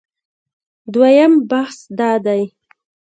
دویم بحث دا دی